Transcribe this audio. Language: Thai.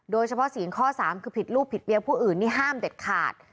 โดยเฉพาะศีลข้อสามคือผิดรูปผิดเบียงผู้อื่นนี่ห้ามเด็ดขาด